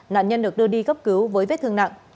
nạn nhân được đưa đi cấp cứu với vết thương nặng